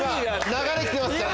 流れ来てますから。